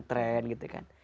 trend gitu kan